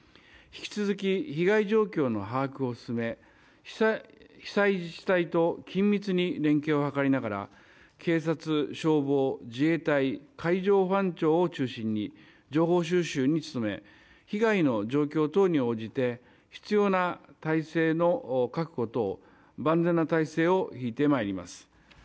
引き続き被害状況の把握を進め被災した自治体と緊密に連携を図りながら警察、消防、自衛隊海上保安庁を中心に情報収集に努め被害の状況等に応じて必要な体制の確保等万全な体制を敷いてまいります。